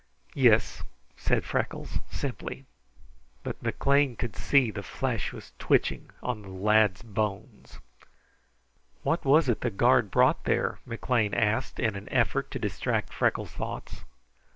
"Yis," said Freckles simply. But McLean could see the flesh was twitching on the lad's bones. "What was it the guard brought there?" McLean asked in an effort to distract Freckles' thoughts.